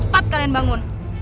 cepat kalian bangun